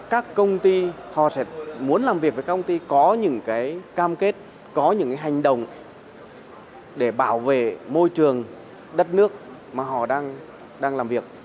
các công ty họ sẽ muốn làm việc với các công ty có những cam kết có những hành động để bảo vệ môi trường đất nước mà họ đang làm việc